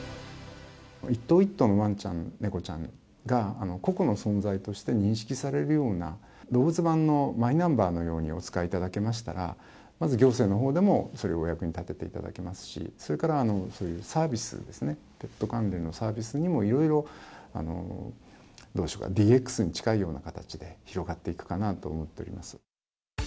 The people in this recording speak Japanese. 一頭一頭のわんちゃん、猫ちゃんが個々の存在として認識されるような、動物版のマイナンバーのようにお使いいただけましたら、まず行政のほうでもそれをお役に立てていただけますし、それからそういうサービスですね、ペット関連のサービスにも、いろいろ、ＤＸに近いような形で広がっていくかなと思っております。